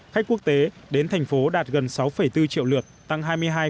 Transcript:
khách quốc tế đến thành phố đạt gần sáu bốn triệu lượt tăng hai mươi hai tám mươi tám